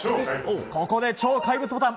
ここで超怪物ボタン。